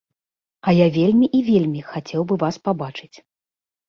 А я вельмі і вельмі хацеў бы вас пабачыць.